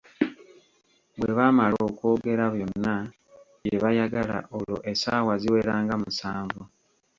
Bwe baamala okwogera byonna bye bayagala, olwo essaawa ziwera nga musanvu.